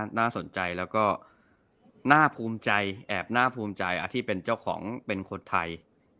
น่าสนใจแล้วก็น่าภูมิใจแอบน่าภูมิใจที่เป็นเจ้าของเป็นคนไทย